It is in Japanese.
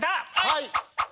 はい！